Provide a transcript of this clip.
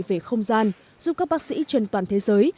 về không gian giúp các bác sĩ trên toàn thế giới